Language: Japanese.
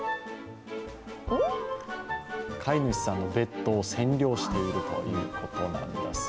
飼い主さんのベッドを占領しているということです。